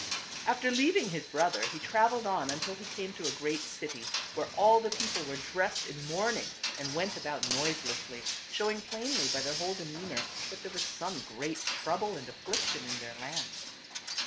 After leaving his brother he traveled on until he came to a great city where all the people were dressed in mourning and went about noiselessly, showing plainly by their whole demeanor that there was some great trouble and affliction in their land.